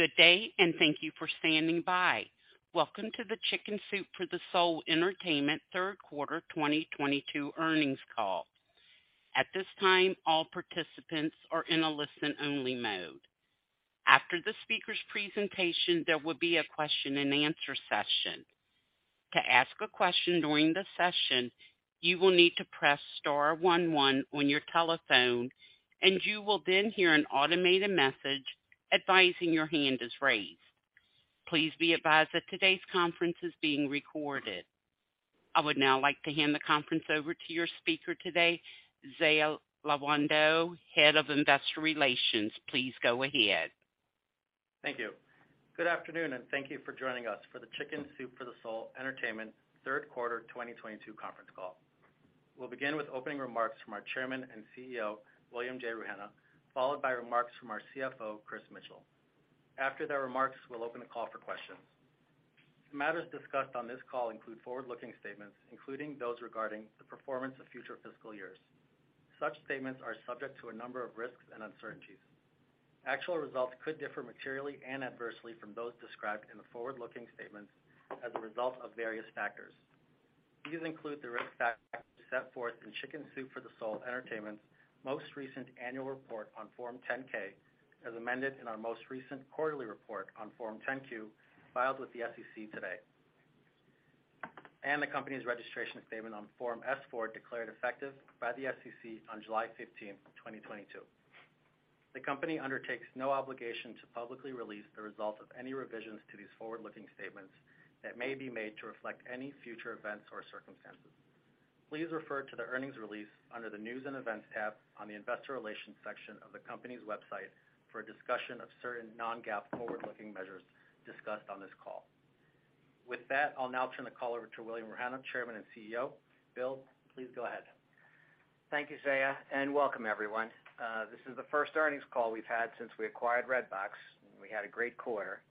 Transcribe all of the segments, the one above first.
Good day, and thank you for standing by. Welcome to the Chicken Soup for the Soul Entertainment third quarter 2022 earnings call. At this time, all participants are in a listen-only mode. After the speaker's presentation, there will be a question-and-answer session. To ask a question during the session, you will need to press star one one on your telephone, and you will then hear an automated message advising your hand is raised. Please be advised that today's conference is being recorded. I would now like to hand the conference over to your speaker today, Zaia Lawandow, Head of Investor Relations. Please go ahead. Thank you. Good afternoon, and thank you for joining us for the Chicken Soup for the Soul Entertainment third quarter 2022 conference call. We'll begin with opening remarks from our Chairman and CEO, William J. Rouhana, followed by remarks from our CFO, Chris Mitchell. After their remarks, we'll open the call for questions. Matters discussed on this call include forward-looking statements, including those regarding the performance of future fiscal years. Such statements are subject to a number of risks and uncertainties. Actual results could differ materially and adversely from those described in the forward-looking statements as a result of various factors. These include the risk factors set forth in Chicken Soup for the Soul Entertainment's most recent annual report on Form 10-K, as amended in our most recent quarterly report on Form 10-Q, filed with the SEC today, and the company's registration statement on Form S-4 declared effective by the SEC on July 15, 2022. The company undertakes no obligation to publicly release the results of any revisions to these forward-looking statements that may be made to reflect any future events or circumstances. Please refer to the earnings release under the News and Events tab on the Investor Relations section of the company's website for a discussion of certain non-GAAP forward-looking measures discussed on this call. With that, I'll now turn the call over to William Rouhana, Chairman and CEO. Bill, please go ahead. Thank you, Zaia, and welcome everyone. This is the first earnings call we've had since we acquired Redbox. We had a great quarter.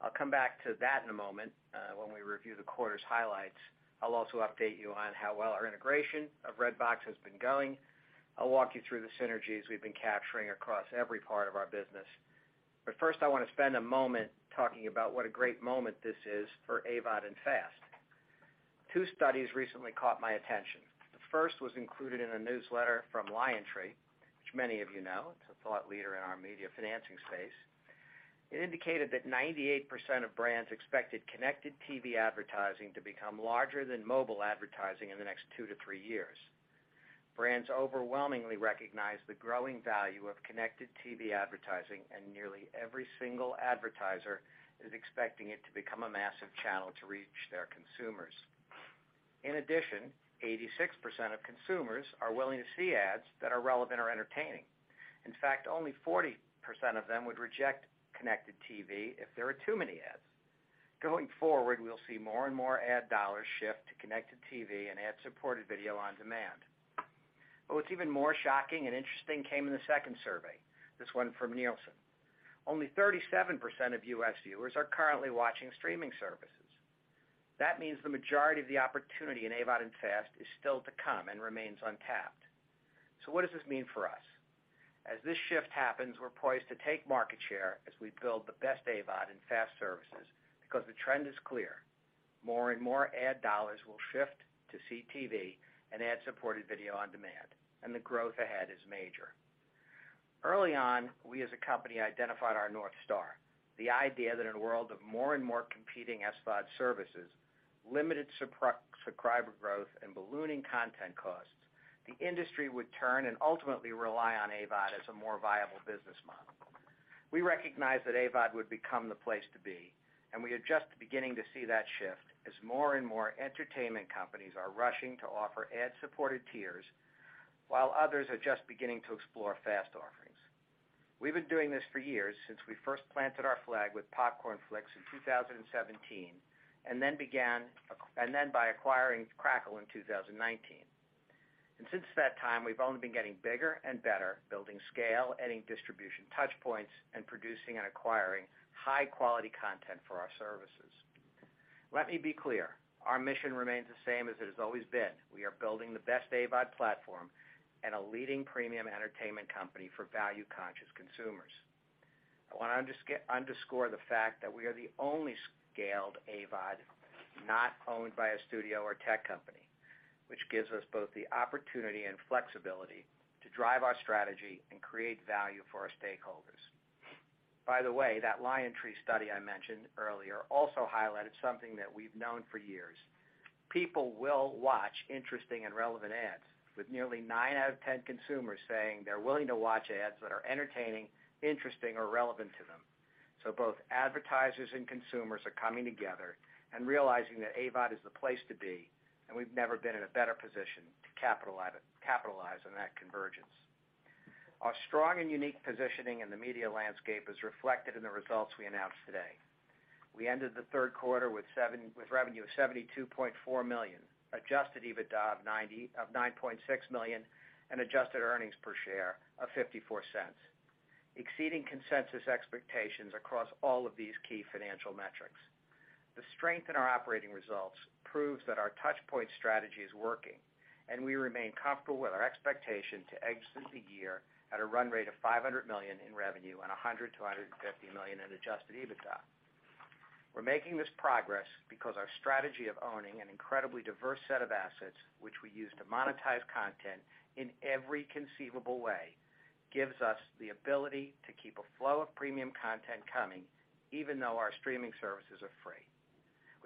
I'll come back to that in a moment, when we review the quarter's highlights. I'll also update you on how well our integration of Redbox has been going. I'll walk you through the synergies we've been capturing across every part of our business. First, I wanna spend a moment talking about what a great moment this is for AVOD and FAST. Two studies recently caught my attention. The first was included in a newsletter from LionTree, which many of you know. It's a thought leader in our media financing space. It indicated that 98% of brands expected connected TV advertising to become larger than mobile advertising in the next two to three years. Brands overwhelmingly recognize the growing value of connected TV advertising, and nearly every single advertiser is expecting it to become a massive channel to reach their consumers. In addition, 86% of consumers are willing to see ads that are relevant or entertaining. In fact, only 40% of them would reject connected TV if there are too many ads. Going forward, we'll see more and more ad dollars shift to connected TV and ad-supported video on demand. But what's even more shocking and interesting came in the second survey, this one from Nielsen. Only 37% of U.S. viewers are currently watching streaming services. That means the majority of the opportunity in AVOD and FAST is still to come and remains untapped. What does this mean for us? As this shift happens, we're poised to take market share as we build the best AVOD in FAST services because the trend is clear. More and more ad dollars will shift to CTV and ad-supported video on demand, and the growth ahead is major. Early on, we as a company identified our North Star, the idea that in a world of more and more competing SVOD services, limited subscriber growth and ballooning content costs, the industry would turn and ultimately rely on AVOD as a more viable business model. We recognize that AVOD would become the place to be, and we are just beginning to see that shift as more and more entertainment companies are rushing to offer ad-supported tiers while others are just beginning to explore FAST offerings. We've been doing this for years since we first planted our flag with Popcornflix in 2017, and then by acquiring Crackle in 2019. Since that time, we've only been getting bigger and better, building scale, adding distribution touch points, and producing and acquiring high-quality content for our services. Let me be clear, our mission remains the same as it has always been. We are building the best AVOD platform and a leading premium entertainment company for value-conscious consumers. I wanna underscore the fact that we are the only scaled AVOD not owned by a studio or tech company, which gives us both the opportunity and flexibility to drive our strategy and create value for our stakeholders. By the way, that LionTree study I mentioned earlier also highlighted something that we've known for years. People will watch interesting and relevant ads. With nearly nine out of ten consumers saying they're willing to watch ads that are entertaining, interesting, or relevant to them. Both advertisers and consumers are coming together and realizing that AVOD is the place to be, and we've never been in a better position to capitalize on that convergence. Our strong and unique positioning in the media landscape is reflected in the results we announced today. We ended the third quarter with revenue of $72.4 million, adjusted EBITDA of $9.6 million, and adjusted earnings per share of $0.54, exceeding consensus expectations across all of these key financial metrics. The strength in our operating results proves that our touch point strategy is working, and we remain comfortable with our expectation to exit the year at a run rate of $500 million in revenue and $100 million-$150 million in adjusted EBITDA. We're making this progress because our strategy of owning an incredibly diverse set of assets, which we use to monetize content in every conceivable way, gives us the ability to keep a flow of premium content coming even though our streaming services are free.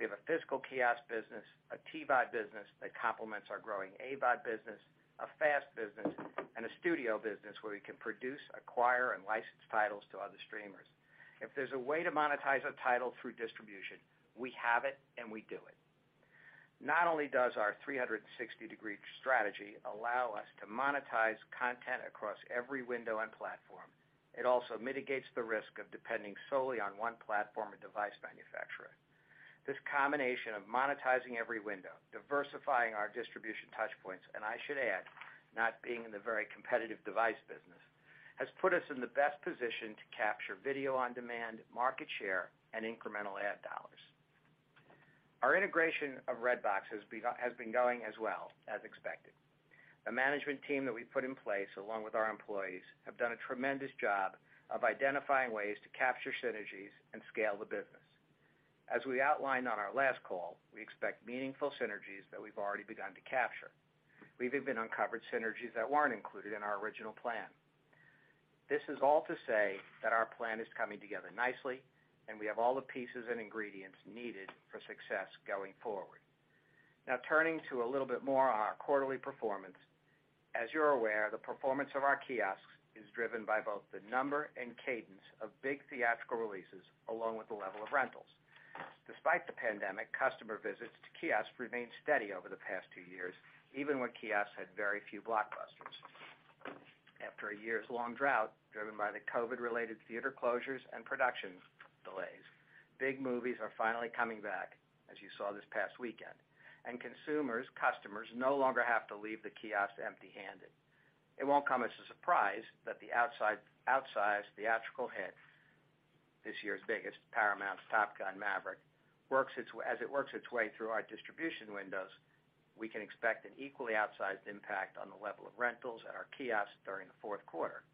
We have a physical kiosk business, a TVOD business that complements our growing AVOD business, a FAST business, and a studio business where we can produce, acquire and license titles to other streamers. If there's a way to monetize a title through distribution, we have it and we do it. Not only does our 360-degree strategy allow us to monetize content across every window and platform, it also mitigates the risk of depending solely on one platform or device manufacturer. This combination of monetizing every window, diversifying our distribution touch points, and I should add, not being in the very competitive device business, has put us in the best position to capture video on demand market share and incremental ad dollars. Our integration of Redbox has been going as well as expected. The management team that we put in place, along with our employees, have done a tremendous job of identifying ways to capture synergies and scale the business. As we outlined on our last call, we expect meaningful synergies that we've already begun to capture. We've even uncovered synergies that weren't included in our original plan. This is all to say that our plan is coming together nicely and we have all the pieces and ingredients needed for success going forward. Now turning to a little bit more on our quarterly performance. As you're aware, the performance of our kiosks is driven by both the number and cadence of big theatrical releases, along with the level of rentals. Despite the pandemic, customer visits to kiosks remained steady over the past two years, even when kiosks had very few blockbusters. After a year's long drought driven by the COVID related theater closures and production delays, big movies are finally coming back, as you saw this past weekend. Consumers, customers no longer have to leave the kiosk empty handed. It won't come as a surprise that the outsized theatrical hit, this year's biggest, Paramount's Top Gun: Maverick, as it works its way through our distribution windows, we can expect an equally outsized impact on the level of rentals at our kiosks during the fourth quarter.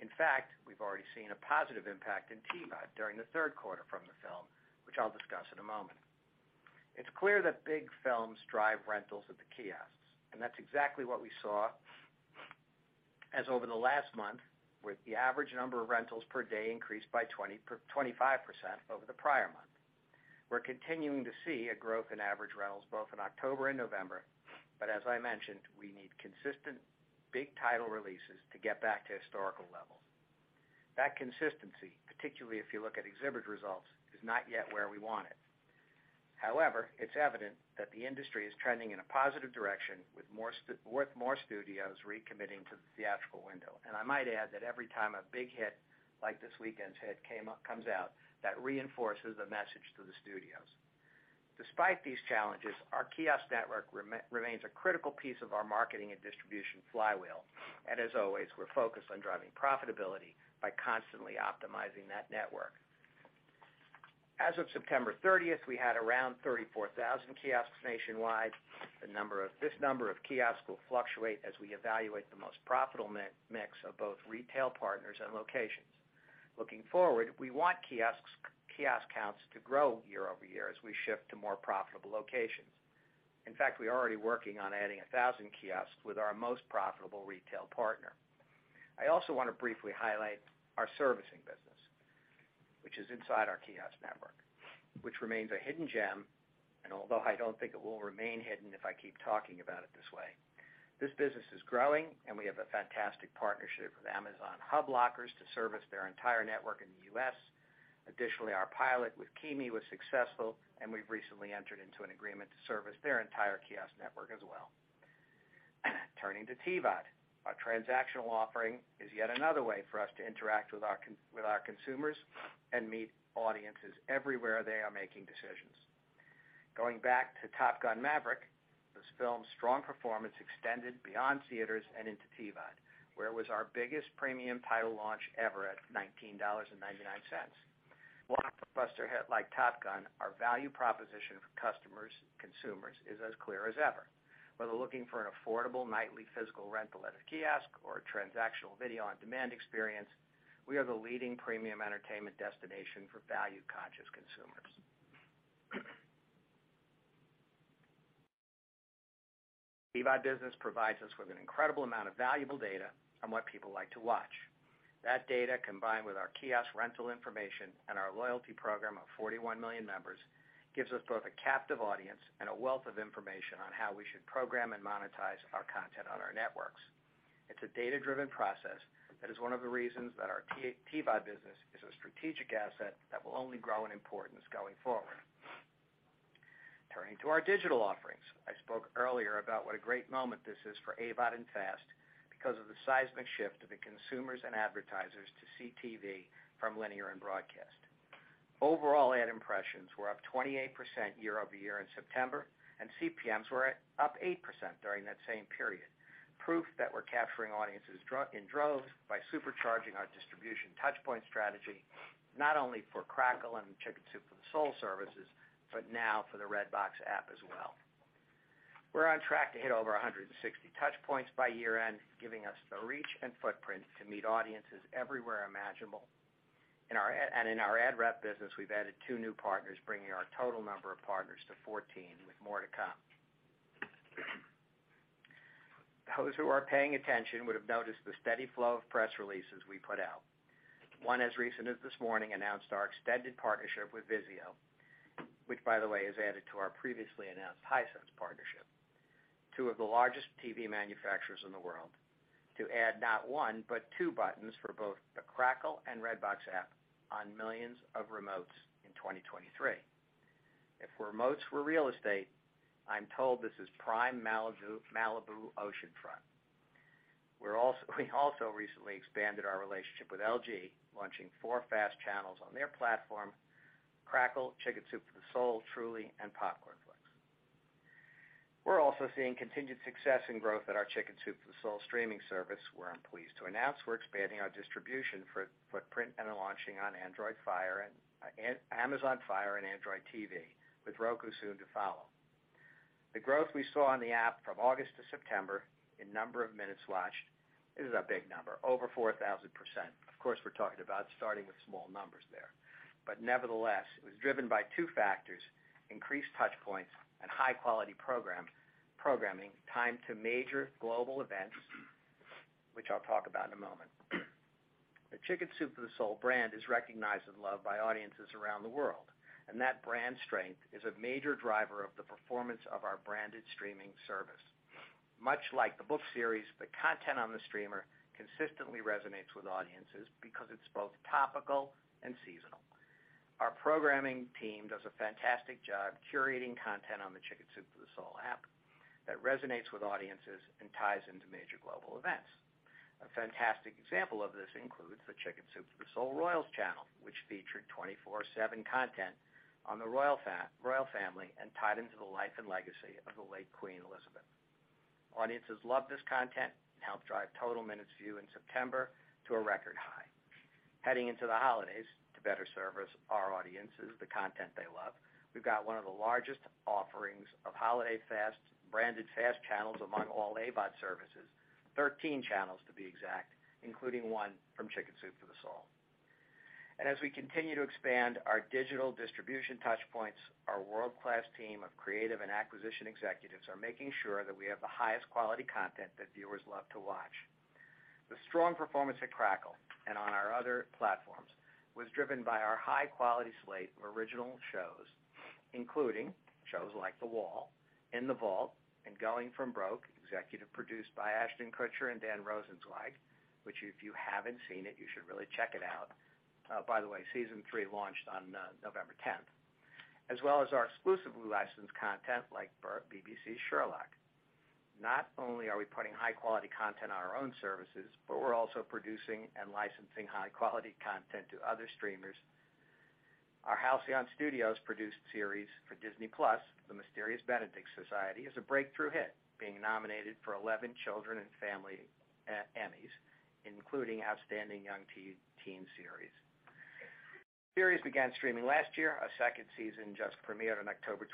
In fact, we've already seen a positive impact in TVOD during the third quarter from the film, which I'll discuss in a moment. It's clear that big films drive rentals at the kiosks, and that's exactly what we saw as over the last month with the average number of rentals per day increased by 25% over the prior month. We're continuing to see a growth in average rentals both in October and November, but as I mentioned, we need consistent big title releases to get back to historical levels. That consistency, particularly if you look at exhibit results, is not yet where we want it. However, it's evident that the industry is trending in a positive direction with more studios recommitting to the theatrical window. I might add that every time a big hit like this weekend's hit comes out, that reinforces the message to the studios. Despite these challenges, our kiosk network remains a critical piece of our marketing and distribution flywheel. As always, we're focused on driving profitability by constantly optimizing that network. As of September 30, we had around 34,000 kiosks nationwide. This number of kiosks will fluctuate as we evaluate the most profitable mix of both retail partners and locations. Looking forward, we want kiosks, kiosk counts to grow year-over-year as we shift to more profitable locations. In fact, we are already working on adding 1,000 kiosks with our most profitable retail partner. I also want to briefly highlight our servicing business, which is inside our kiosk network, which remains a hidden gem. Although I don't think it will remain hidden if I keep talking about it this way, this business is growing and we have a fantastic partnership with Amazon Hub lockers to service their entire network in the U.S. Additionally, our pilot with KeyMe was successful and we've recently entered into an agreement to service their entire kiosk network as well. Turning to TVOD. Our transactional offering is yet another way for us to interact with our with our consumers and meet audiences everywhere they are making decisions. Going back to Top Gun: Maverick, this film's strong performance extended beyond theaters and into TVOD, where it was our biggest premium title launch ever at $19.99. Blockbuster hit like Top Gun, our value proposition for customers, consumers is as clear as ever. Whether looking for an affordable nightly physical rental at a kiosk or a transactional video on demand experience, we are the leading premium entertainment destination for value conscious consumers. TVOD business provides us with an incredible amount of valuable data on what people like to watch. That data, combined with our kiosk rental information and our loyalty program of 41 million members, gives us both a captive audience and a wealth of information on how we should program and monetize our content on our networks. It's a data driven process that is one of the reasons that our TVOD business is a strategic asset that will only grow in importance going forward. Turning to our digital offerings. I spoke earlier about what a great moment this is for AVOD and FAST because of the seismic shift of the consumers and advertisers to CTV from linear and broadcast. Overall ad impressions were up 28% year-over-year in September, and CPMs were up 8% during that same period. Proof that we're capturing audiences in droves by supercharging our distribution touchpoint strategy not only for Crackle and Chicken Soup for the Soul services, but now for the Redbox app as well. We're on track to hit over 160 touchpoints by year-end, giving us the reach and footprint to meet audiences everywhere imaginable. In our ad rep business, we've added two new partners, bringing our total number of partners to 14, with more to come. Those who are paying attention would have noticed the steady flow of press releases we put out. One, as recent as this morning, announced our extended partnership with VIZIO, which, by the way, is added to our previously announced Hisense partnership, two of the largest TV manufacturers in the world, to add not one, but two buttons for both the Crackle and Redbox app on millions of remotes in 2023. If remotes were real estate, I'm told this is prime Malibu oceanfront. We're also recently expanded our relationship with LG, launching four FAST channels on their platform, Crackle, Chicken Soup for the Soul, Truli, and Popcornflix. We're also seeing continued success and growth at our Chicken Soup for the Soul streaming service, where I'm pleased to announce we're expanding our distribution footprint and are launching on Amazon Fire and Android TV, with Roku soon to follow. The growth we saw on the app from August to September in number of minutes watched is a big number, over 4,000%. Of course, we're talking about starting with small numbers there. Nevertheless, it was driven by two factors, increased touchpoints and high-quality programming timed to major global events, which I'll talk about in a moment. The Chicken Soup for the Soul brand is recognized and loved by audiences around the world, and that brand strength is a major driver of the performance of our branded streaming service. Much like the book series, the content on the streamer consistently resonates with audiences because it's both topical and seasonal. Our programming team does a fantastic job curating content on the Chicken Soup for the Soul app that resonates with audiences and ties into major global events. A fantastic example of this includes the Chicken Soup for the Soul Royals Channel, which featured 24/7 content on the Royal Family and tied into the life and legacy of the late Queen Elizabeth. Audiences love this content, and helped drive total viewing minutes in September to a record high. Heading into the holidays to better service our audiences, the content they love, we've got one of the largest offerings of holiday branded FAST channels among all AVOD services, 13 channels to be exact, including one from Chicken Soup for the Soul. As we continue to expand our digital distribution touchpoints, our world-class team of creative and acquisition executives are making sure that we have the highest quality content that viewers love to watch. The strong performance at Crackle and on our other platforms was driven by our high-quality slate of original shows, including shows like The Wall, In the Vault, and Going From Broke, executive produced by Ashton Kutcher and Dan Rosensweig, which if you haven't seen it, you should really check it out. By the way, season three launched on November tenth. As well as our exclusively licensed content like BBC's Sherlock. Not only are we putting high-quality content on our own services, but we're also producing and licensing high-quality content to other streamers. Our Halcyon Studios produced series for Disney+, The Mysterious Benedict Society, is a breakthrough hit, being nominated for 11 Children's & Family Emmys, including Outstanding Young Team Series. Series began streaming last year. A second season just premiered on October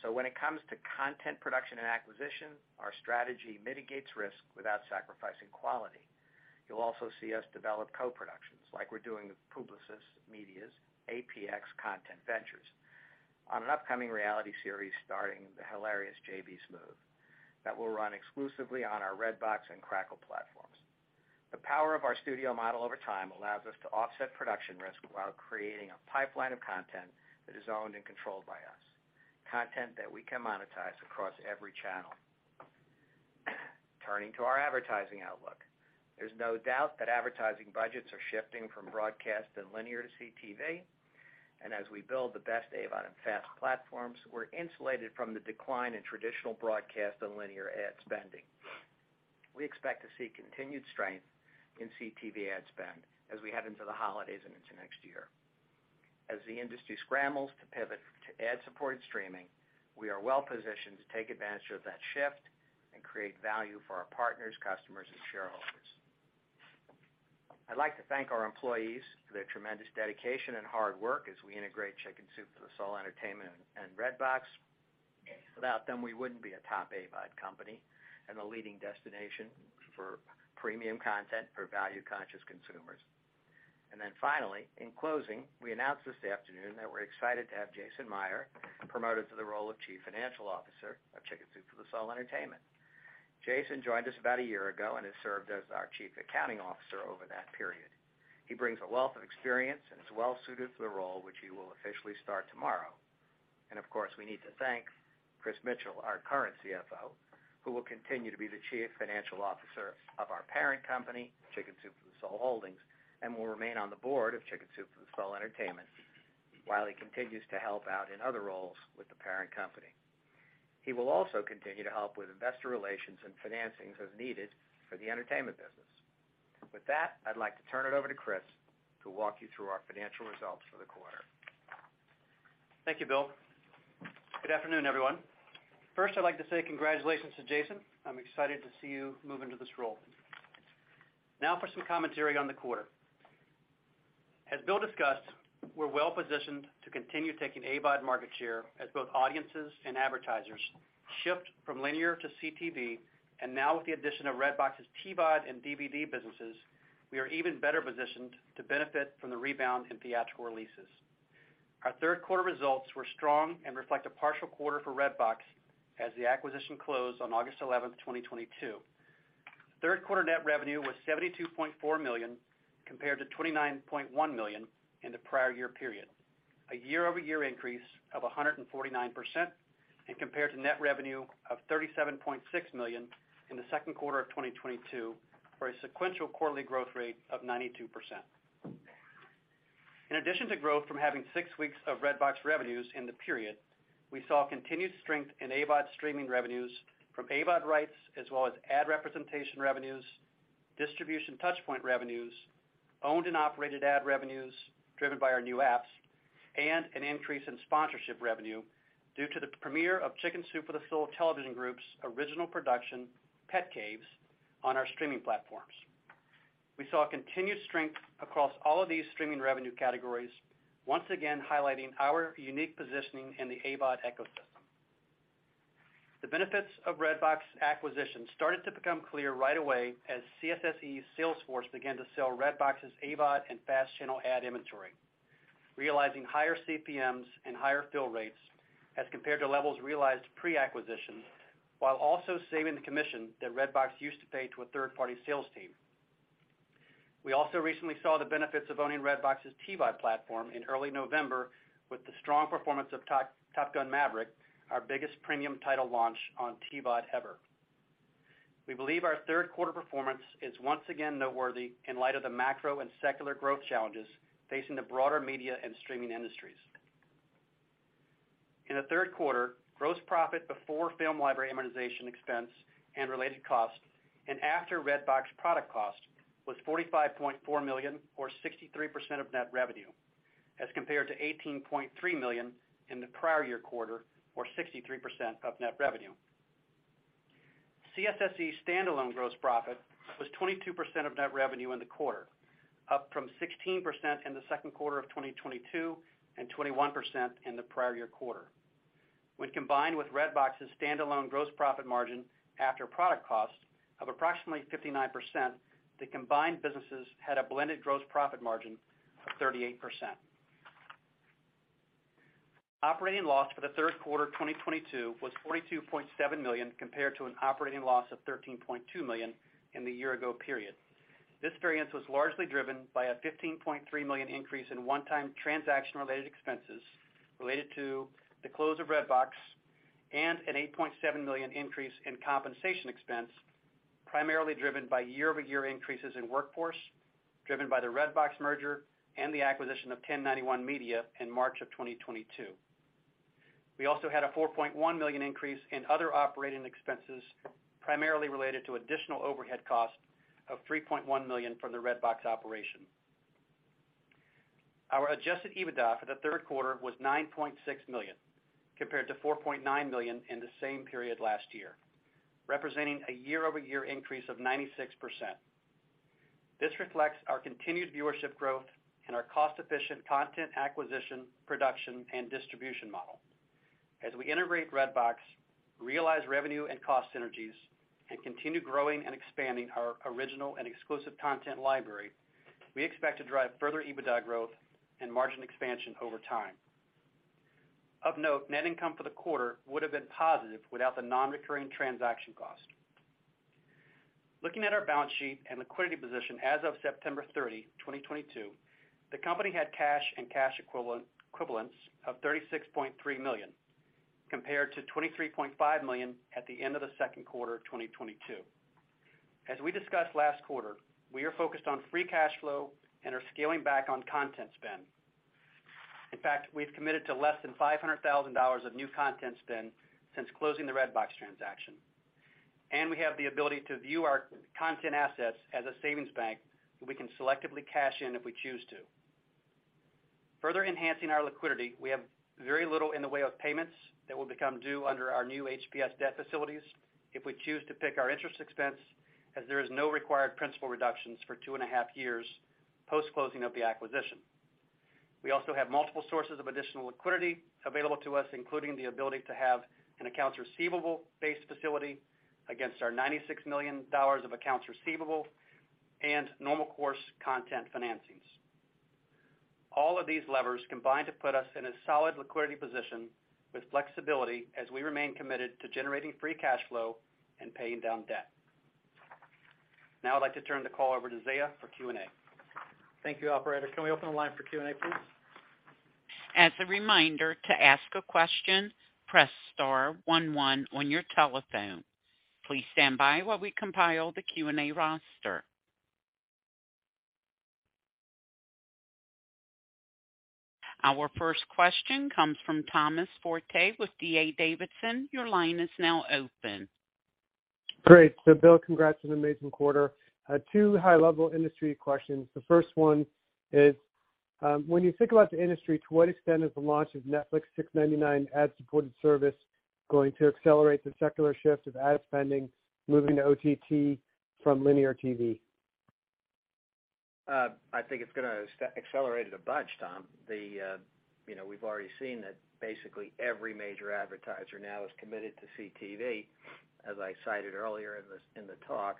twenty-sixth. When it comes to content production and acquisition, our strategy mitigates risk without sacrificing quality. You'll also see us develop co-productions, like we're doing with Publicis Media's APX Content Ventures on an upcoming reality series starring the hilarious J.B. Smoove that will run exclusively on our Redbox and Crackle platforms. The power of our studio model over time allows us to offset production risk while creating a pipeline of content that is owned and controlled by us, content that we can monetize across every channel. Turning to our advertising outlook, there's no doubt that advertising budgets are shifting from broadcast and linear to CTV. As we build the best AVOD and FAST platforms, we're insulated from the decline in traditional broadcast and linear ad spending. We expect to see continued strength in CTV ad spend as we head into the holidays and into next year. As the industry scrambles to pivot to ad-supported streaming, we are well positioned to take advantage of that shift and create value for our partners, customers, and shareholders. I'd like to thank our employees for their tremendous dedication and hard work as we integrate Chicken Soup for the Soul Entertainment and Redbox. Without them, we wouldn't be a top AVOD company and a leading destination for premium content for value-conscious consumers. Finally, in closing, we announced this afternoon that we're excited to have Jason Meier promoted to the role of chief financial officer of Chicken Soup for the Soul Entertainment. Jason joined us about a year ago and has served as our chief accounting officer over that period. He brings a wealth of experience and is well suited for the role, which he will officially start tomorrow. Of course, we need to thank Chris Mitchell, our current CFO, who will continue to be the chief financial officer of our parent company, Chicken Soup for the Soul Holdings, and will remain on the board of Chicken Soup for the Soul Entertainment while he continues to help out in other roles with the parent company. He will also continue to help with investor relations and financings as needed for the entertainment business. With that, I'd like to turn it over to Chris to walk you through our financial results for the quarter. Thank you, Bill. Good afternoon, everyone. First, I'd like to say congratulations to Jason. I'm excited to see you move into this role. Now for some commentary on the quarter. As Bill discussed, we're well-positioned to continue taking AVOD market share as both audiences and advertisers shift from linear to CTV. Now with the addition of Redbox's TVOD and DVD businesses, we are even better positioned to benefit from the rebound in theatrical leases. Our third quarter results were strong and reflect a partial quarter for Redbox as the acquisition closed on August 11, 2022. Third quarter net revenue was $72.4 million compared to $29.1 million in the prior year period. A year-over-year increase of 149% compared to net revenue of $37.6 million in the second quarter of 2022 for a sequential quarterly growth rate of 92%. In addition to growth from having six weeks of Redbox revenues in the period, we saw continued strength in AVOD streaming revenues from AVOD rights, as well as ad representation revenues, distribution touch point revenues, owned and operated ad revenues driven by our new apps, and an increase in sponsorship revenue due to the premiere of Chicken Soup for the Soul Television Group's original production, Pet Caves, on our streaming platforms. We saw a continued strength across all of these streaming revenue categories, once again highlighting our unique positioning in the AVOD ecosystem. The benefits of Redbox acquisition started to become clear right away as CSSE sales force began to sell Redbox's AVOD and FAST channel ad inventory, realizing higher CPMs and higher fill rates as compared to levels realized pre-acquisition, while also saving the commission that Redbox used to pay to a third-party sales team. We also recently saw the benefits of owning Redbox's TVOD platform in early November with the strong performance of Top Gun: Maverick, our biggest premium title launch on TVOD ever. We believe our third quarter performance is once again noteworthy in light of the macro and secular growth challenges facing the broader media and streaming industries. In the third quarter, gross profit before film library amortization expense and related costs, and after Redbox product cost was $45.4 million or 63% of net revenue, as compared to $18.3 million in the prior year quarter or 63% of net revenue. CSSE standalone gross profit was 22% of net revenue in the quarter, up from 16% in the second quarter of 2022 and 21% in the prior year quarter. When combined with Redbox's standalone gross profit margin after product costs of approximately 59%, the combined businesses had a blended gross profit margin of 38%. Operating loss for the third quarter 2022 was $42.7 million compared to an operating loss of $13.2 million in the year ago period. This variance was largely driven by a $15.3 million increase in one-time transaction related expenses related to the close of Redbox and an $8.7 million increase in compensation expense, primarily driven by year-over-year increases in workforce, driven by the Redbox merger and the acquisition of 1091 Media in March 2022. We also had a $4.1 million increase in other operating expenses, primarily related to additional overhead costs of $3.1 million from the Redbox operation. Our adjusted EBITDA for the third quarter was $9.6 million, compared to $4.9 million in the same period last year, representing a year-over-year increase of 96%. This reflects our continued viewership growth and our cost-efficient content acquisition, production, and distribution model. As we integrate Redbox, realize revenue and cost synergies, and continue growing and expanding our original and exclusive content library, we expect to drive further EBITDA growth and margin expansion over time. Of note, net income for the quarter would have been positive without the non-recurring transaction cost. Looking at our balance sheet and liquidity position as of September 30, 2022, the company had cash and cash equivalents of $36.3 million, compared to $23.5 million at the end of the second quarter of 2022. As we discussed last quarter, we are focused on free cash flow and are scaling back on content spend. In fact, we've committed to less than $500,000 of new content spend since closing the Redbox transaction. We have the ability to view our content assets as a savings bank that we can selectively cash in if we choose to. Further enhancing our liquidity, we have very little in the way of payments that will become due under our new HPS debt facilities if we choose to pick our interest expense, as there is no required principal reductions for two and a half years post-closing of the acquisition. We also have multiple sources of additional liquidity available to us, including the ability to have an accounts receivable-based facility against our $96 million of accounts receivable and normal course content financings. All of these levers combine to put us in a solid liquidity position with flexibility as we remain committed to generating free cash flow and paying down debt. Now I'd like to turn the call over to Zaia for Q&A. Thank you. Operator, can we open the line for Q&A, please? As a reminder to ask a question, press star one one on your telephone. Please stand by while we compile the Q&A roster. Our first question comes from Thomas Forte with D.A. Davidson. Your line is now open. Great. Bill, congrats on an amazing quarter. Two high-level industry questions. The first one is, when you think about the industry, to what extent is the launch of Netflix $6.99 ad-supported service going to accelerate the secular shift of ad spending moving to OTT from linear TV? I think it's gonna accelerate it a bunch, Tom. You know, we've already seen that basically every major advertiser now is committed to CTV, as I cited earlier in the talk.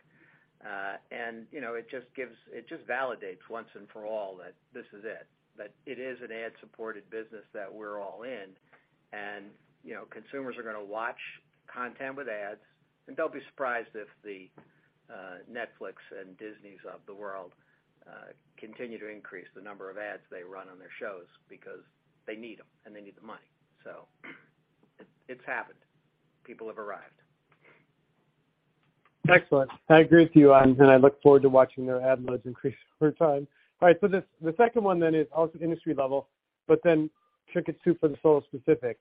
You know, it just validates once and for all that this is it, that it is an ad-supported business that we're all in. You know, consumers are gonna watch content with ads, and don't be surprised if the Netflix and Disney's of the world continue to increase the number of ads they run on their shows because they need them and they need the money. It's happened. People have arrived. Excellent. I agree with you, and I look forward to watching their ad loads increase over time. All right. The second one then is also industry level, but then Chicken Soup for the Soul specific.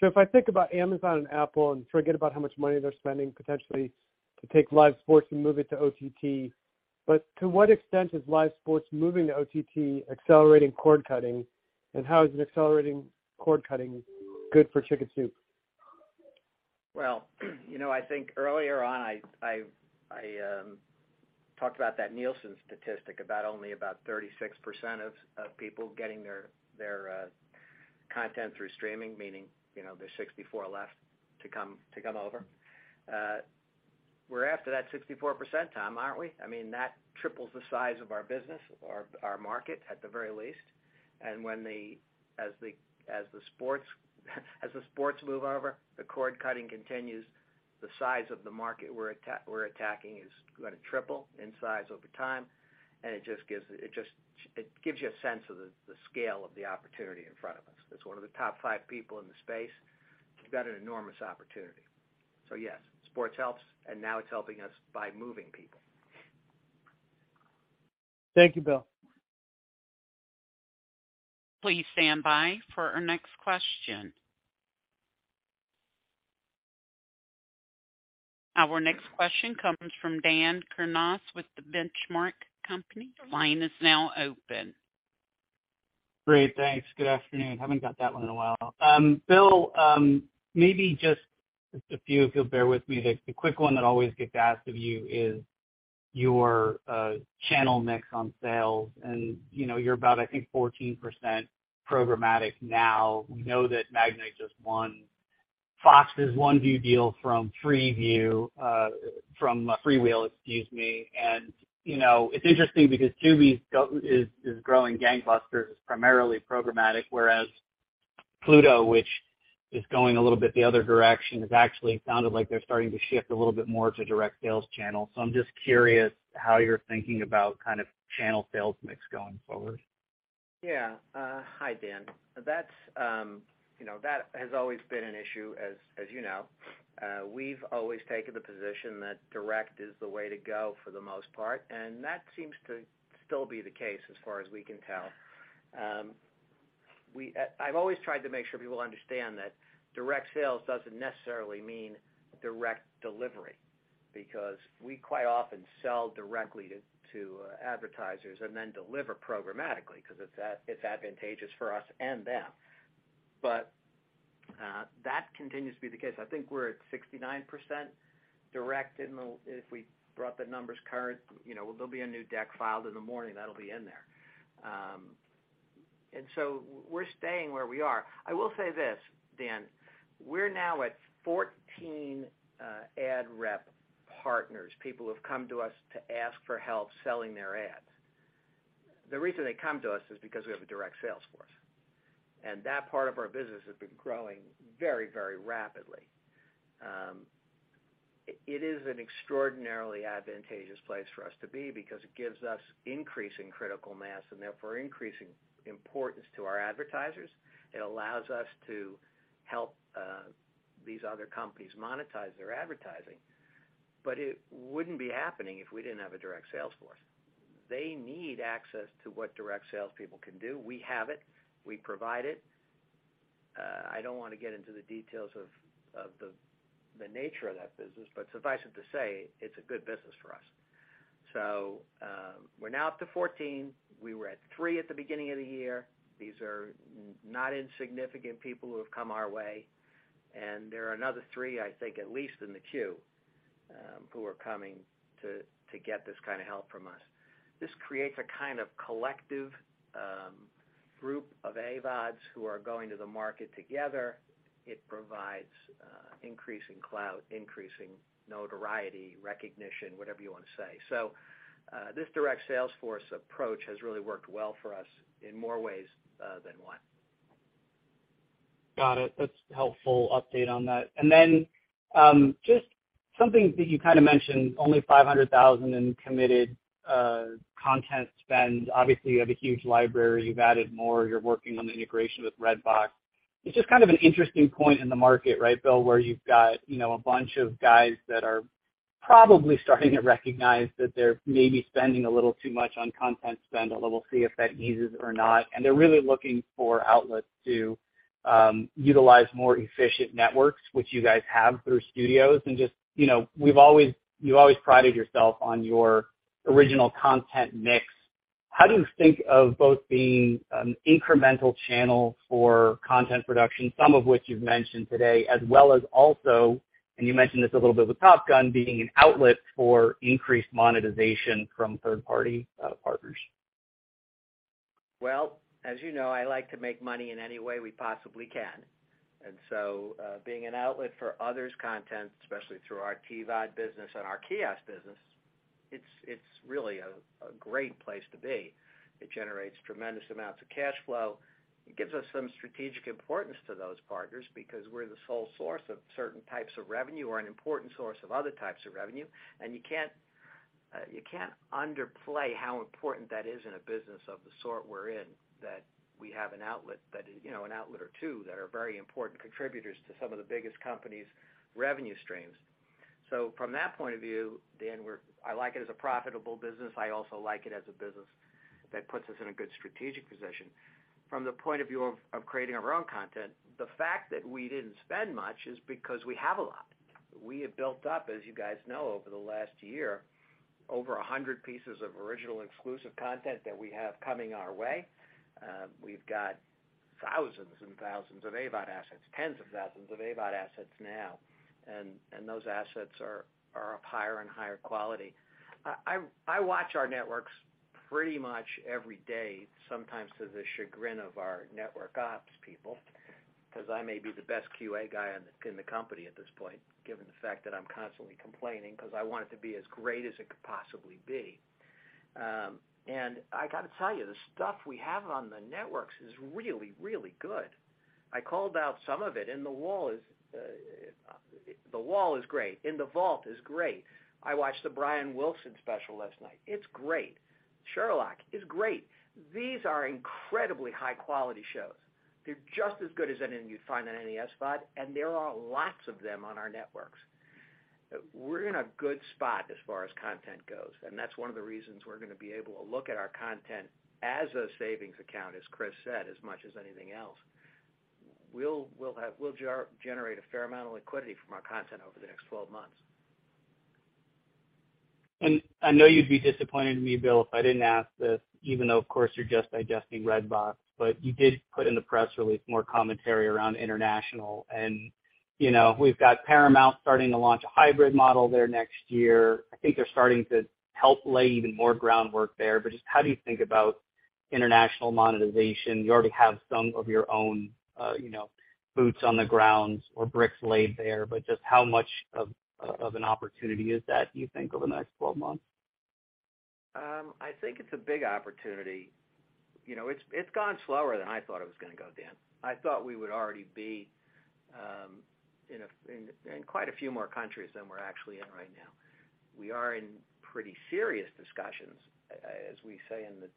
If I think about Amazon and Apple and forget about how much money they're spending potentially to take live sports and move it to OTT, but to what extent is live sports moving to OTT accelerating cord cutting, and how is an accelerating cord cutting good for Chicken Soup? Well, you know, I think earlier on, I talked about that Nielsen statistic, about only about 36% of people getting their content through streaming, meaning, you know, there's 64 left to come over. We're after that 64%, Tom, aren't we? I mean, that triples the size of our business or our market at the very least. When the sports move over, the cord cutting continues. The size of the market we're attacking is gonna triple in size over time. It just gives you a sense of the scale of the opportunity in front of us. As one of the top 5 people in the space, we've got an enormous opportunity. Yes, sports helps, and now it's helping us by moving people. Thank you, Bill. Please stand by for our next question. Our next question comes from Daniel Kurnos with The Benchmark Company. Line is now open. Great. Thanks. Good afternoon. Haven't got that one in a while. Bill, maybe just a few, if you'll bear with me. The quick one that I always get to ask of you is your channel mix on sales. You know, you're about, I think, 14% programmatic now. We know that Magnite just won Fox's OneFOX deal from FreeWheel, excuse me. You know, it's interesting because Tubi's growing gangbusters, primarily programmatic, whereas Pluto, which is going a little bit the other direction, has actually sounded like they're starting to shift a little bit more to direct sales channel. I'm just curious how you're thinking about kind of channel sales mix going forward. Yeah. Hi, Dan. That's, you know, that has always been an issue as you know. We've always taken the position that direct is the way to go for the most part, and that seems to still be the case as far as we can tell. I've always tried to make sure people understand that direct sales doesn't necessarily mean direct delivery because we quite often sell directly to advertisers and then deliver programmatically 'cause it's advantageous for us and them. That continues to be the case. I think we're at 69% direct in the... If we brought the numbers current, you know, there'll be a new deck filed in the morning that'll be in there. We're staying where we are. I will say this, Dan, we're now at 14 ad rep partners, people who have come to us to ask for help selling their ads. The reason they come to us is because we have a direct sales force, and that part of our business has been growing very, very rapidly. It is an extraordinarily advantageous place for us to be because it gives us increasing critical mass and therefore increasing importance to our advertisers. It allows us to help these other companies monetize their advertising. It wouldn't be happening if we didn't have a direct sales force. They need access to what direct sales people can do. We have it. We provide it. I don't wanna get into the details of the nature of that business, but suffice it to say, it's a good business for us. We're now up to 14. We were at three at the beginning of the year. These are not insignificant people who have come our way, and there are another three, I think, at least in the queue, who are coming to get this kinda help from us. This creates a kind of collective group of AVODs who are going to the market together. It provides increasing clout, increasing notoriety, recognition, whatever you wanna say. This direct sales force approach has really worked well for us in more ways than one. Got it. That's a helpful update on that. Just something that you kinda mentioned, only $500,000 in committed content spend. Obviously, you have a huge library. You've added more. You're working on the integration with Redbox. It's just kind of an interesting point in the market, right, Bill, where you've got, you know, a bunch of guys that are probably starting to recognize that they're maybe spending a little too much on content spend, although we'll see if that eases or not. They're really looking for outlets to utilize more efficient networks, which you guys have through studios. Just, you know, you've always prided yourself on your original content mix. How do you think of both being an incremental channel for content production, some of which you've mentioned today, as well as also, and you mentioned this a little bit with Top Gun being an outlet for increased monetization from third-party partners? Well, as you know, I like to make money in any way we possibly can. Being an outlet for others' content, especially through our TVOD business and our kiosk business, it's really a great place to be. It generates tremendous amounts of cash flow. It gives us some strategic importance to those partners because we're the sole source of certain types of revenue or an important source of other types of revenue. You can't underplay how important that is in a business of the sort we're in, that we have an outlet that, you know, an outlet or two that are very important contributors to some of the biggest companies' revenue streams. From that point of view, Dan, I like it as a profitable business. I also like it as a business that puts us in a good strategic position. From the point of view of creating our own content, the fact that we didn't spend much is because we have a lot. We have built up, as you guys know, over the last year, over 100 pieces of original exclusive content that we have coming our way. We've got thousands and thousands of AVOD assets, tens of thousands of AVOD assets now. Those assets are of higher and higher quality. I watch our networks pretty much every day, sometimes to the chagrin of our network ops people because I may be the best QA guy in the company at this point, given the fact that I'm constantly complaining because I want it to be as great as it could possibly be. I got to tell you, the stuff we have on the networks is really, really good. I called out some of it, and The Wall is great. In the Vault is great. I watched the Brian Wilson special last night. It's great. Sherlock is great. These are incredibly high-quality shows. They're just as good as anything you'd find on any SVOD, and there are lots of them on our networks. We're in a good spot as far as content goes, and that's one of the reasons we're gonna be able to look at our content as a savings account, as Chris said, as much as anything else. We'll generate a fair amount of liquidity from our content over the next 12 months. I know you'd be disappointed in me, Bill, if I didn't ask this, even though, of course, you're just digesting Redbox, but you did put in the press release more commentary around international. You know, we've got Paramount starting to launch a hybrid model there next year. I think they're starting to help lay even more groundwork there. Just how do you think about international monetization? You already have some of your own, you know, boots on the ground or bricks laid there, but just how much of an opportunity is that, do you think, over the next 12 months? I think it's a big opportunity. You know, it's gone slower than I thought it was gonna go, Dan. I thought we would already be in quite a few more countries than we're actually in right now. We are in pretty serious discussions, as we say in the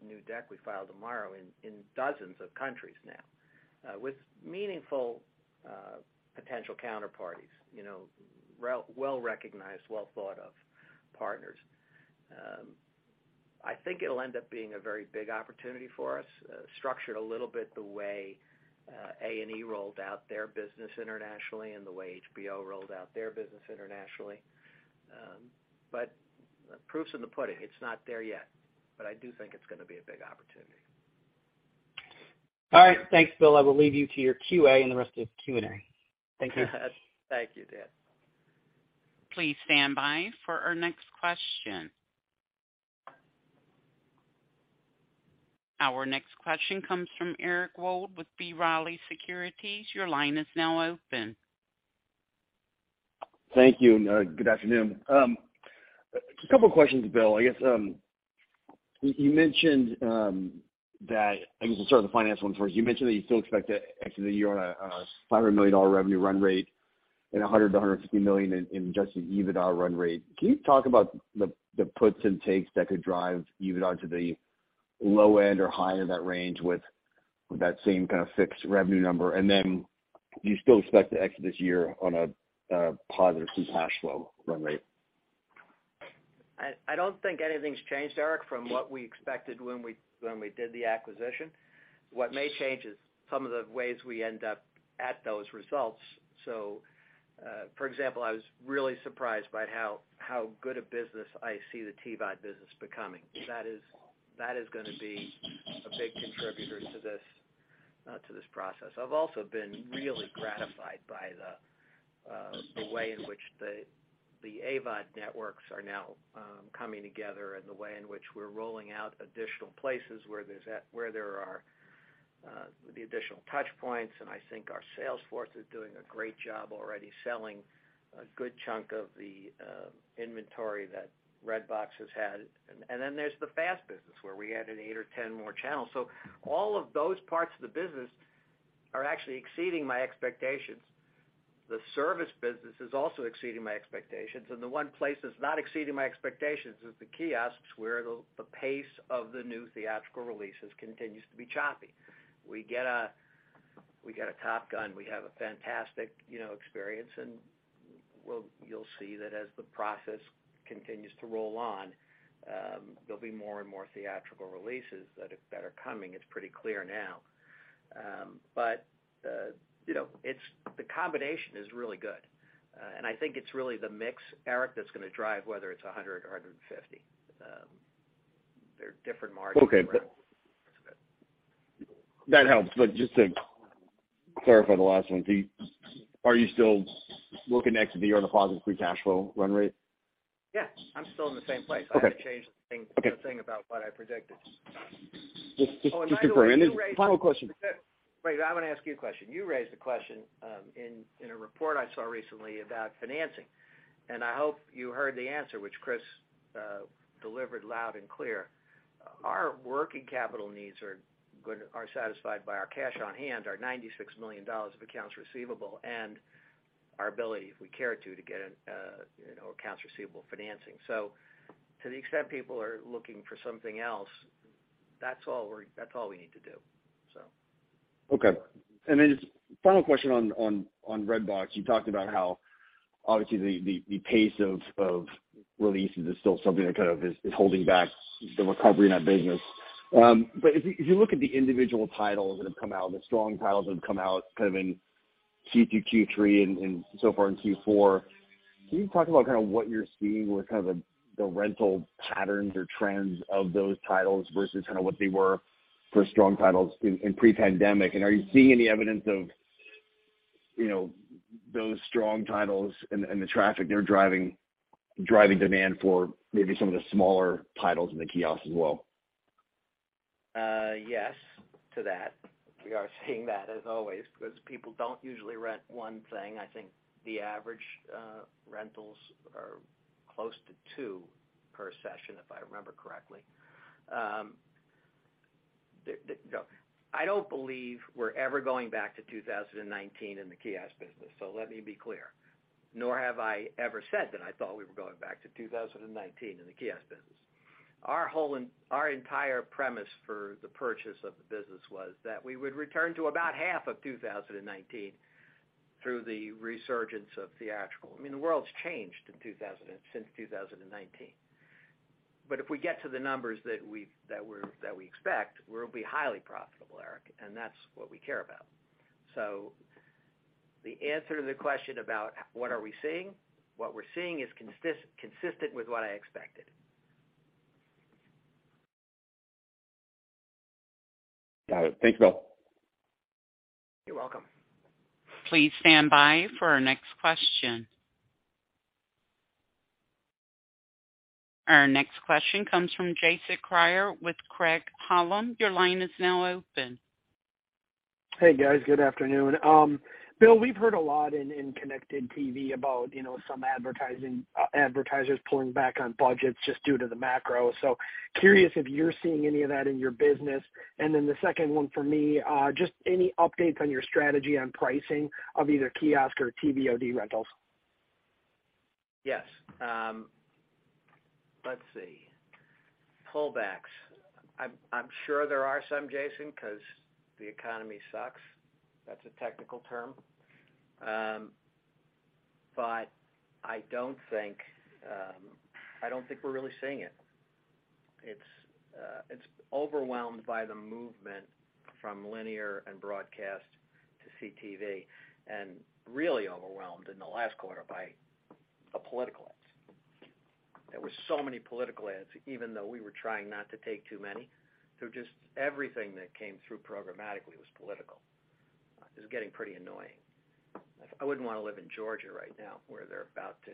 new deck we file tomorrow, in dozens of countries now, with meaningful potential counterparties, you know, well-recognized, well-thought-of partners. I think it'll end up being a very big opportunity for us, structured a little bit the way A&E rolled out their business internationally and the way HBO rolled out their business internationally. Proof's in the pudding. It's not there yet, but I do think it's gonna be a big opportunity. All right. Thanks, Bill. I will leave you to your QA and the rest of the Q&A. Thank you. Thank you, Dan. Please stand by for our next question. Our next question comes from Eric Wold with B. Riley Securities. Your line is now open. Thank you and good afternoon. A couple questions, Bill. I guess you mentioned that I guess I'll start with the financial one first. You mentioned that you still expect to exit the year on a $500 million revenue run rate and $100 million-$150 million in adjusted EBITDA run rate. Can you talk about the puts and takes that could drive EBITDA to the low end or high end of that range with that same kind of fixed revenue number? Do you still expect to exit this year on a positive free cash flow run rate? I don't think anything's changed, Eric, from what we expected when we did the acquisition. What may change is some of the ways we end up at those results. For example, I was really surprised by how good a business I see the TVOD business becoming. That is gonna be a big contributor to this process. I've also been really gratified by the way in which the AVOD networks are now coming together and the way in which we're rolling out additional places where there are the additional touch points. I think our sales force is doing a great job already selling a good chunk of the inventory that Redbox has had. Then there's the Fast business where we added eight or 10 more channels. All of those parts of the business are actually exceeding my expectations. The service business is also exceeding my expectations. The one place that's not exceeding my expectations is the kiosks, where the pace of the new theatrical releases continues to be choppy. We get a Top Gun, we have a fantastic, you know, experience. You'll see that as the process continues to roll on, there'll be more and more theatrical releases that are coming. It's pretty clear now. You know, it's the combination is really good. I think it's really the mix, Eric, that's gonna drive whether it's 100 or 150. They're different margins. Okay. That's good. That helps. Just to clarify the last one, are you still looking next year on the positive free cash flow run rate? Yeah. I'm still in the same place. Okay. I haven't changed a thing. Okay A thing about what I predicted. Just to confirm. Oh, I know you raised. Final question. Wait, I wanna ask you a question. You raised a question in a report I saw recently about financing, and I hope you heard the answer, which Chris delivered loud and clear. Our working capital needs are satisfied by our cash on hand, our $96 million of accounts receivable and our ability, if we care to get an accounts receivable financing. To the extent people are looking for something else, that's all we need to do. Okay. Just final question on Redbox. You talked about how, obviously, the pace of releases is still something that kind of is holding back the recovery in that business. But if you look at the individual titles that have come out, the strong titles that have come out kind of in Q2, Q3, and so far in Q4, can you talk about kind of what you're seeing with kind of the rental patterns or trends of those titles versus kind of what they were for strong titles in pre-pandemic? And are you seeing any evidence of, you know, those strong titles and the traffic they're driving demand for maybe some of the smaller titles in the kiosk as well? Yes to that. We are seeing that as always because people don't usually rent one thing. I think the average rentals are close to two per session, if I remember correctly. No. I don't believe we're ever going back to 2019 in the kiosk business, so let me be clear, nor have I ever said that I thought we were going back to 2019 in the kiosk business. Our entire premise for the purchase of the business was that we would return to about half of 2019 through the resurgence of theatrical. I mean, the world's changed since 2019. If we get to the numbers that we expect, we'll be highly profitable, Eric, and that's what we care about. The answer to the question about what are we seeing, what we're seeing is consistent with what I expected. Got it. Thanks, Bill. You're welcome. Please stand by for our next question. Our next question comes from Jason Kreyer with Craig-Hallum. Your line is now open. Hey, guys. Good afternoon. Bill, we've heard a lot in connected TV about, you know, some advertising advertisers pulling back on budgets just due to the macro. Curious if you're seeing any of that in your business. The second one for me, just any updates on your strategy on pricing of either kiosk or TVOD rentals? Yes. Let's see. Pullbacks. I'm sure there are some, Jason, 'cause the economy sucks. That's a technical term. I don't think we're really seeing it. It's overwhelmed by the movement from linear and broadcast to CTV, and really overwhelmed in the last quarter by political ads. There were so many political ads, even though we were trying not to take too many, so just everything that came through programmatically was political. It was getting pretty annoying. I wouldn't wanna live in Georgia right now, where they're about to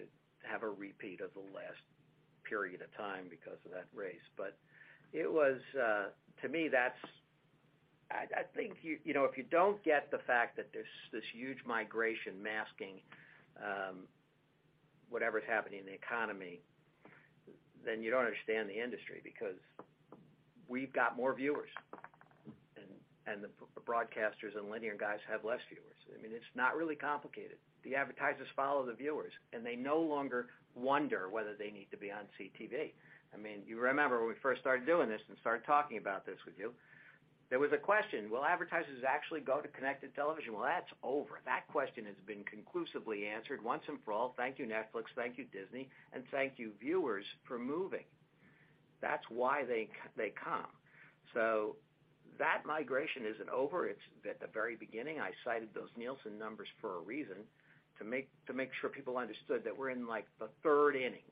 have a repeat of the last period of time because of that race. It was, to me, that's. I think you know if you don't get the fact that there's this huge migration masking whatever's happening in the economy, then you don't understand the industry because we've got more viewers and the broadcasters and linear guys have less viewers. I mean, it's not really complicated. The advertisers follow the viewers, and they no longer wonder whether they need to be on CTV. I mean, you remember when we first started doing this and started talking about this with you, there was a question, will advertisers actually go to connected television? Well, that's over. That question has been conclusively answered once and for all. Thank you, Netflix. Thank you, Disney, and thank you, viewers, for moving. That's why they come. That migration isn't over. It's at the very beginning. I cited those Nielsen numbers for a reason, to make sure people understood that we're in, like, the third inning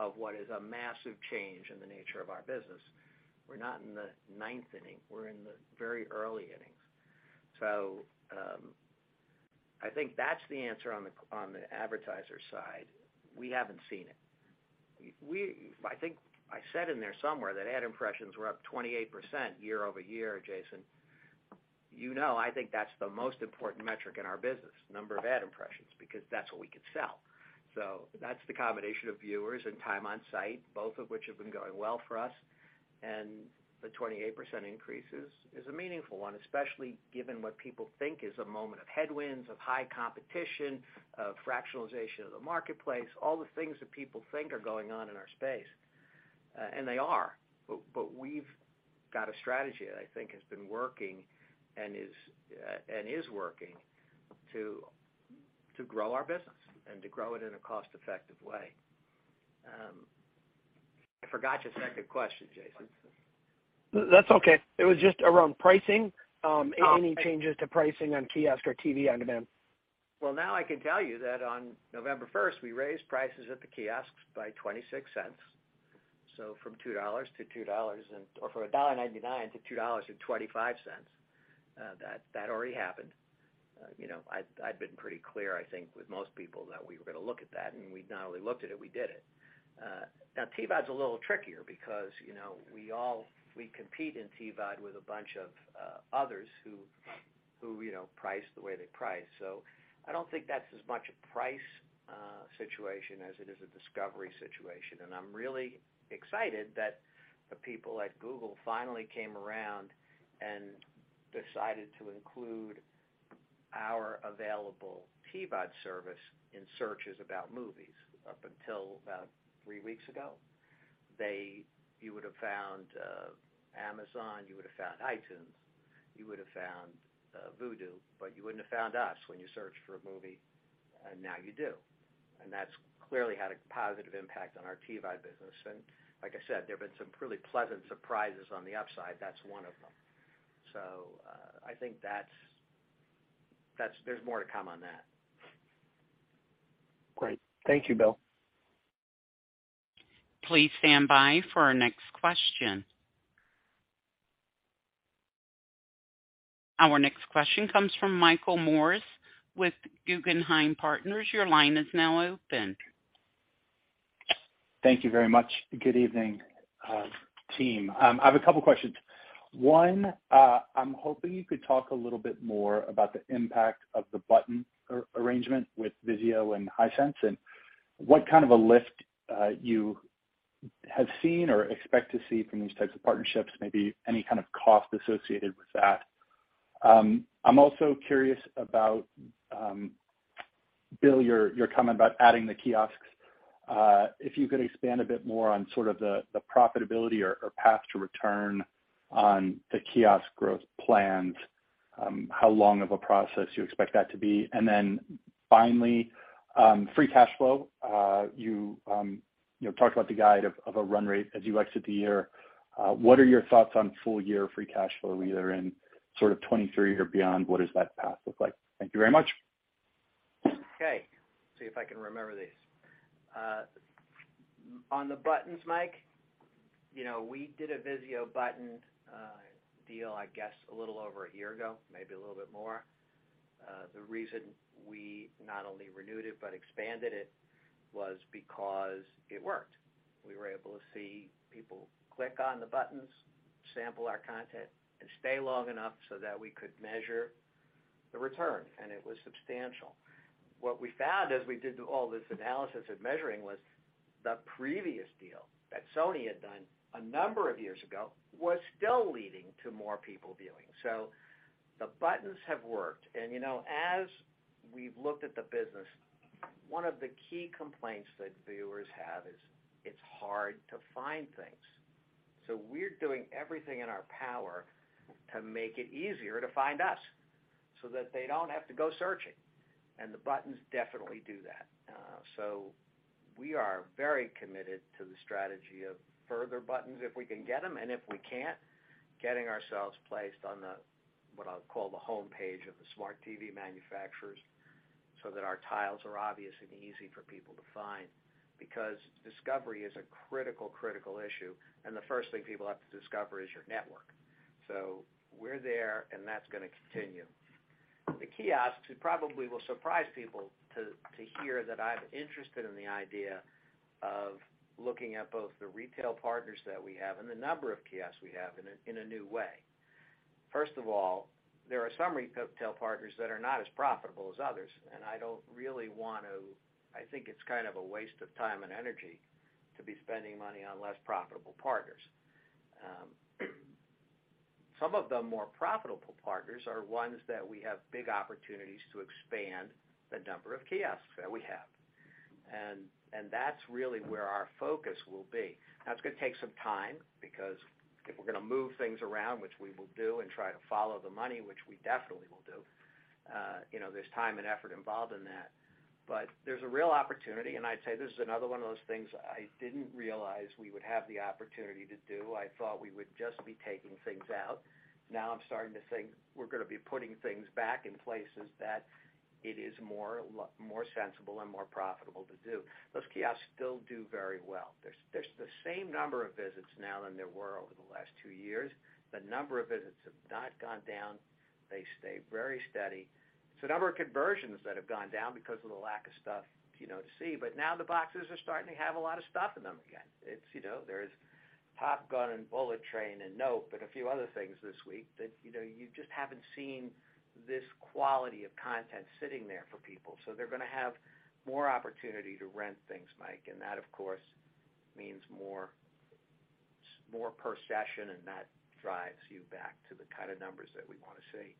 of what is a massive change in the nature of our business. We're not in the ninth inning. We're in the very early innings. I think that's the answer on the advertiser side. We haven't seen it. I think I said in there somewhere that ad impressions were up 28% year-over-year, Jason. You know, I think that's the most important metric in our business, number of ad impressions, because that's what we could sell. That's the combination of viewers and time on site, both of which have been going well for us. The 28% increase is a meaningful one, especially given what people think is a moment of headwinds, of high competition, of fractionalization of the marketplace, all the things that people think are going on in our space. They are, but we've got a strategy that I think has been working and is working to grow our business and to grow it in a cost-effective way. I forgot your second question, Jason. That's okay. It was just around pricing. Any changes to pricing on kiosk or TV on demand? Well, now I can tell you that on November first, we raised prices at the kiosks by $0.26. So from $2-$2 or from $1.99-$2.25. That already happened. You know, I've been pretty clear, I think, with most people that we were gonna look at that, and we not only looked at it, we did it. Now TVOD's a little trickier because, you know, we compete in TVOD with a bunch of others who, you know, price the way they price. So I don't think that's as much a price situation as it is a discovery situation. I'm really excited that the people at Google finally came around and decided to include our available TVOD service in searches about movies. Up until about three weeks ago, you would have found Amazon. You would have found iTunes. You would have found Vudu, but you wouldn't have found us when you searched for a movie, and now you do. That's clearly had a positive impact on our TVOD business. Like I said, there have been some really pleasant surprises on the upside. That's one of them. I think that's. There's more to come on that. Great. Thank you, Bill. Please stand by for our next question. Our next question comes from Michael Morris with Guggenheim Partners. Your line is now open. Thank you very much. Good evening, team. I have a couple questions. One, I'm hoping you could talk a little bit more about the impact of the button arrangement with VIZIO and Hisense, and what kind of a lift you have seen or expect to see from these types of partnerships, maybe any kind of cost associated with that. I'm also curious about, Bill, your comment about adding the kiosks. If you could expand a bit more on sort of the profitability or path to return on the kiosk growth plans, how long of a process you expect that to be. Finally, free cash flow. You know, talked about the guidance of a run rate as you exit the year. What are your thoughts on full year free cash flow, either in sort of 2023 or beyond? What does that path look like? Thank you very much. Okay. See if I can remember these. On the buttons, Mike, you know, we did a VIZIO button deal, I guess, a little over a year ago, maybe a little bit more. The reason we not only renewed it but expanded it was because it worked. We were able to see people click on the buttons, sample our content, and stay long enough so that we could measure the return, and it was substantial. What we found as we did all this analysis of measuring was the previous deal that Sony had done a number of years ago was still leading to more people viewing. So the buttons have worked. You know, as we've looked at the business, one of the key complaints that viewers have is it's hard to find things. We're doing everything in our power to make it easier to find us so that they don't have to go searching, and the buttons definitely do that. We are very committed to the strategy of further buttons if we can get them, and if we can't, getting ourselves placed on the, what I'll call the homepage of the smart TV manufacturers so that our tiles are obvious and easy for people to find because discovery is a critical issue, and the first thing people have to discover is your network. We're there, and that's gonna continue. The kiosks, it probably will surprise people to hear that I'm interested in the idea of looking at both the retail partners that we have and the number of kiosks we have in a new way. First of all, there are some retail partners that are not as profitable as others, and I don't really want to. I think it's kind of a waste of time and energy to be spending money on less profitable partners. Some of the more profitable partners are ones that we have big opportunities to expand the number of kiosks that we have. That's really where our focus will be. Now, it's gonna take some time because if we're gonna move things around, which we will do and try to follow the money, which we definitely will do, you know, there's time and effort involved in that. There's a real opportunity, and I'd say this is another one of those things I didn't realize we would have the opportunity to do. I thought we would just be taking things out. Now I'm starting to think we're gonna be putting things back in places that it is more sensible and more profitable to do. Those kiosks still do very well. There's the same number of visits now than there were over the last two years. The number of visits have not gone down. They stay very steady. It's the number of conversions that have gone down because of the lack of stuff, you know, to see. Now the boxes are starting to have a lot of stuff in them again. It's, you know, there's Top Gun and Bullet Train and Nope and a few other things this week that, you know, you just haven't seen this quality of content sitting there for people. They're gonna have more opportunity to rent things, Mike, and that, of course, means more per session, and that drives you back to the kind of numbers that we want to see.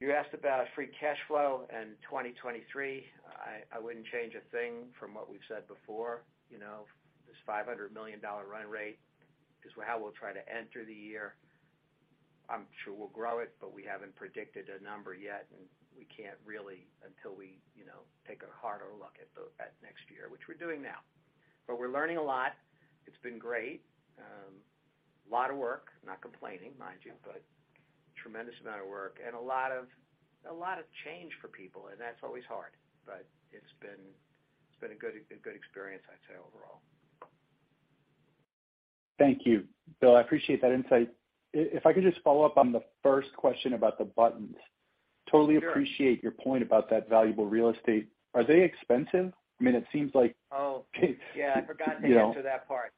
You asked about free cash flow in 2023. I wouldn't change a thing from what we've said before. You know, this $500 million run rate is how we'll try to enter the year. I'm sure we'll grow it, but we haven't predicted a number yet, and we can't really until we, you know, take a harder look at next year, which we're doing now. We're learning a lot. It's been great. A lot of work. Not complaining, mind you, but tremendous amount of work and a lot of change for people, and that's always hard. It's been a good experience, I'd say, overall. Thank you. Bill, I appreciate that insight. If I could just follow up on the first question about the buttons. Sure. Totally appreciate your point about that valuable real estate. Are they expensive? I mean, it seems like. Oh. Yeah, I forgot to answer that part.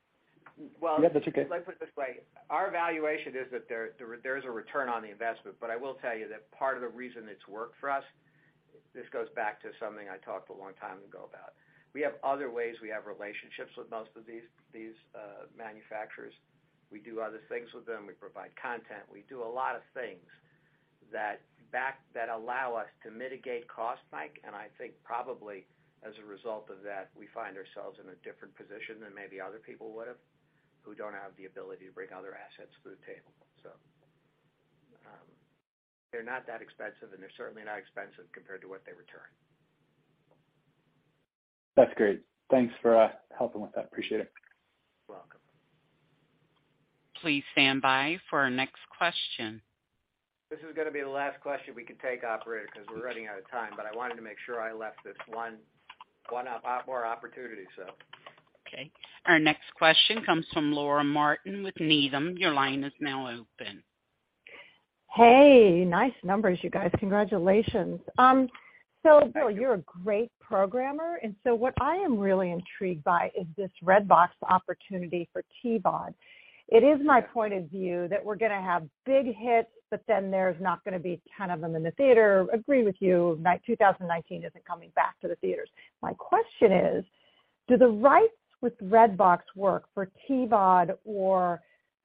You know. Yeah, that's okay. Well, let me put it this way. Our evaluation is that there's a return on the investment. I will tell you that part of the reason it's worked for us, this goes back to something I talked a long time ago about. We have other ways, we have relationships with most of these manufacturers. We do other things with them. We provide content. We do a lot of things that allow us to mitigate costs, Mike, and I think probably as a result of that, we find ourselves in a different position than maybe other people would've who don't have the ability to bring other assets to the table. They're not that expensive, and they're certainly not expensive compared to what they return. That's great. Thanks for helping with that. Appreciate it. You're welcome. Please stand by for our next question. This is gonna be the last question we can take, operator, 'cause we're running out of time, but I wanted to make sure I left this one more opportunity, so. Okay. Our next question comes from Laura Martin with Needham. Your line is now open. Hey, nice numbers, you guys. Congratulations. Bill, you're a great programmer, and so what I am really intrigued by is this Redbox opportunity for TVOD. It is my point of view that we're gonna have big hits, but then there's not gonna be 10 of them in the theater. Agree with you, 2019 isn't coming back to the theaters. My question is, do the rights with Redbox work for TVOD or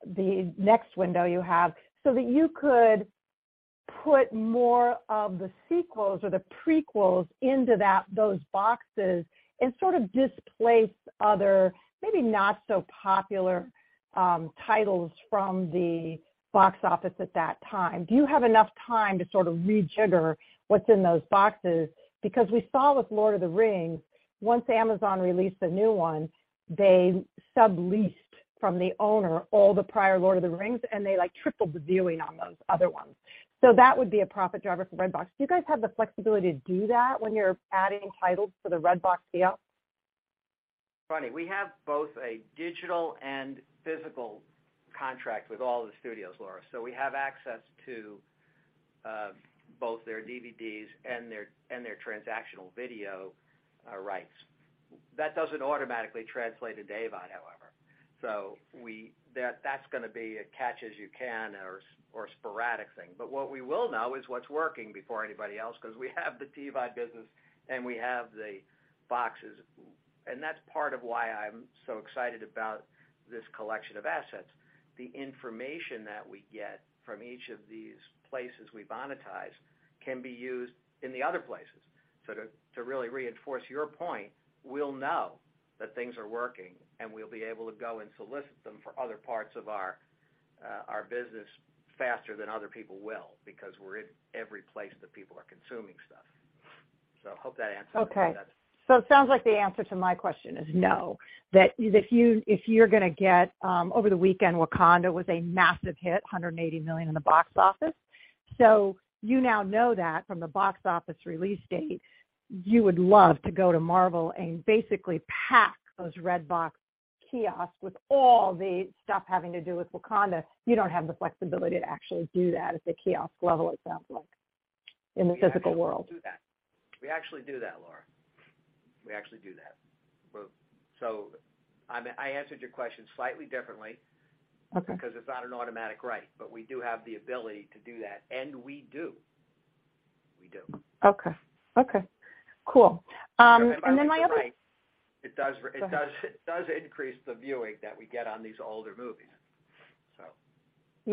the next window you have so that you could put more of the sequels or the prequels into that, those boxes and sort of displace other, maybe not so popular, titles from the box office at that time? Do you have enough time to sort of rejigger what's in those boxes? Because we saw with The Lord of the Rings, once Amazon released a new one, they subleased from the owner all the prior The Lord of the Rings, and they, like, tripled the viewing on those other ones. That would be a profit driver for Redbox. Do you guys have the flexibility to do that when you're adding titles to the Redbox deal? Funny, we have both a digital and physical contract with all the studios, Laura. We have access to both their DVDs and their transactional video rights. That doesn't automatically translate to AVOD, however. That's gonna be a catch-as-catch-can or sporadic thing. But what we will know is what's working before anybody else 'cause we have the TVOD business and we have the boxes. That's part of why I'm so excited about this collection of assets. The information that we get from each of these places we monetize can be used in the other places. To really reinforce your point, we'll know that things are working, and we'll be able to go and solicit them for other parts of our business faster than other people will because we're in every place that people are consuming stuff. Hope that answers some of that. Okay. It sounds like the answer to my question is no. That if you're gonna get over the weekend, Wakanda was a massive hit, $180 million in the box office. You now know that from the box office release date, you would love to go to Marvel and basically pack those Redbox kiosks with all the stuff having to do with Wakanda. You don't have the flexibility to actually do that at the kiosk level, it sounds like in the physical world. We actually do that, Laura. I answered your question slightly differently- Okay because it's not an automatic right. We do have the ability to do that, and we do. Okay. Okay, cool. My other- By the way, it does. Go ahead. It does increase the viewing that we get on these older movies, so.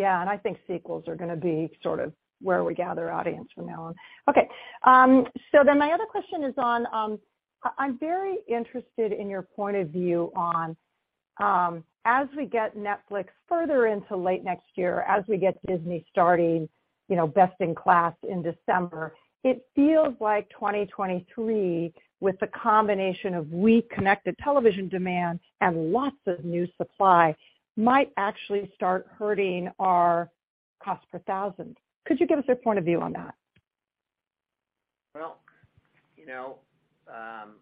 I think sequels are gonna be sort of where we gather audience from now on. My other question is on, I'm very interested in your point of view on, as we get Netflix further into late next year, as we get Disney starting, you know, best in class in December, it feels like 2023, with the combination of weak connected television demand and lots of new supply might actually start hurting our cost per thousand. Could you give us your point of view on that? Well, you know,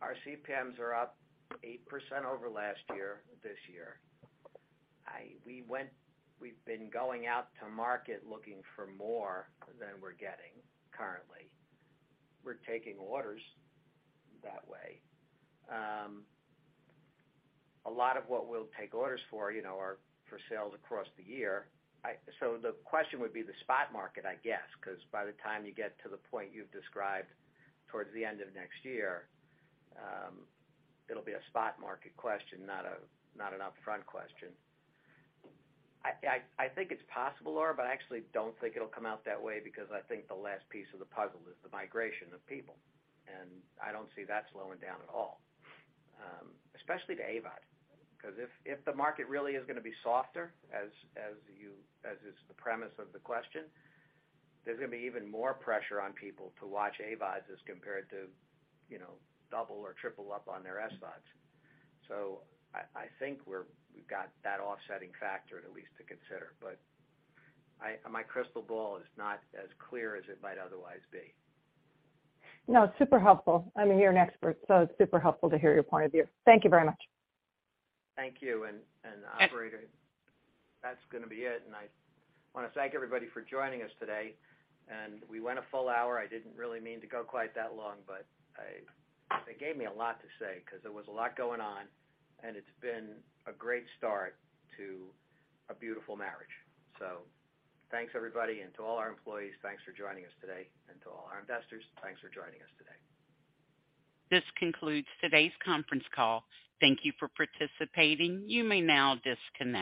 our CPMs are up 8% over last year, this year. We've been going out to market looking for more than we're getting currently. We're taking orders that way. A lot of what we'll take orders for, you know, are for sales across the year. So the question would be the spot market, I guess, 'cause by the time you get to the point you've described towards the end of next year, it'll be a spot market question, not an upfront question. I think it's possible, Laura, but I actually don't think it'll come out that way because I think the last piece of the puzzle is the migration of people, and I don't see that slowing down at all, especially to AVOD. Because if the market really is gonna be softer, as you, as is the premise of the question, there's gonna be even more pressure on people to watch AVODs as compared to, you know, double or triple up on their SVODs. So I think we've got that offsetting factor at least to consider. But my crystal ball is not as clear as it might otherwise be. No, super helpful. I mean, you're an expert, so it's super helpful to hear your point of view. Thank you very much. Thank you. Operator, that's gonna be it. I wanna thank everybody for joining us today. We went a full hour. I didn't really mean to go quite that long, but they gave me a lot to say 'cause there was a lot going on, and it's been a great start to a beautiful marriage. Thanks everybody, and to all our employees, thanks for joining us today. To all our investors, thanks for joining us today. This concludes today's conference call. Thank you for participating. You may now disconnect.